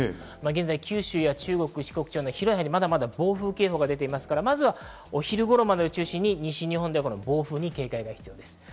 現在、九州、四国地方などにまだまだ暴風警報が出ていますから、お昼頃までを中心に西日本では暴風に警戒が必要です。